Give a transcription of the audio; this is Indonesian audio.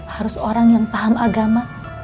harus orang yang paham agama